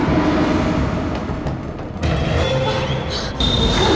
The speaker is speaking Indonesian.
g pardon zaketan